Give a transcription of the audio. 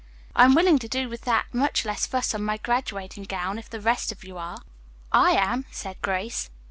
I am willing to do with that much less fuss on my graduating gown, if the rest of you are." "I am," said Grace.